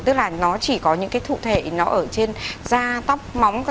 tức là nó chỉ có những cái cụ thể nó ở trên da tóc móng